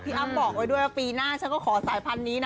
อ้ำบอกไว้ด้วยว่าปีหน้าฉันก็ขอสายพันธุนี้นะ